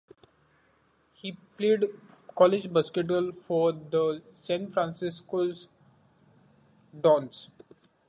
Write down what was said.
He played college basketball for the San Francisco Dons.